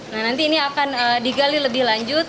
nah nanti ini akan digali lebih lanjut